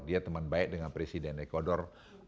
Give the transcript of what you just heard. dia teman baik dengan presiden ecuador